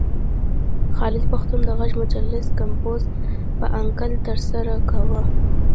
خالد پښتون د غږ مجلې کمپوز په انکل ترسره کاوه.